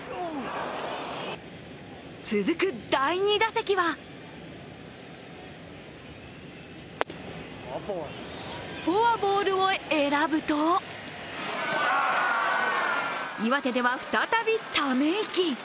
続く第２打席はフォアボールを選ぶと岩手では、再びため息。